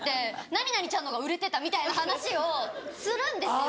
何々ちゃんの方が売れてたみたいな話をするんですよ。